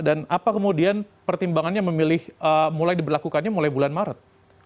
dan apa kemudian pertimbangannya memilih mulai diberlakukannya mulai bulan maret